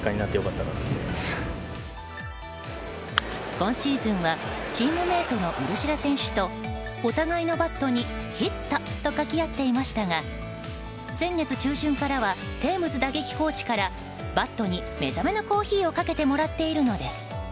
今シーズンはチームメートのウルシェラ選手とお互いのバットに「ヒット」と書き合っていましたが先月中旬からはテームズ打撃コーチからバットに目覚めのコーヒーをかけてもらっているのです。